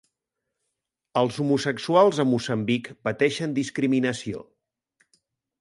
Els homosexuals a Moçambic pateixen discriminació.